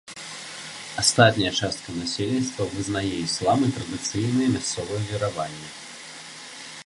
Астатняя частка насельніцтва вызнае іслам і традыцыйныя мясцовыя вераванні.